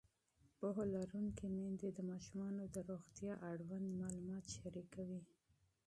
پوهه لرونکې میندې د ماشومانو د روغتیا اړوند معلومات شریکوي.